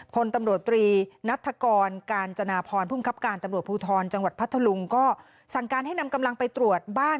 พลตำรวจตรีนัฐกรกาญจนาพรภูมิครับการตำรวจภูทรจังหวัดพัทธลุงก็สั่งการให้นำกำลังไปตรวจบ้าน